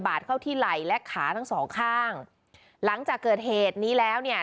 เข้าที่ไหล่และขาทั้งสองข้างหลังจากเกิดเหตุนี้แล้วเนี่ย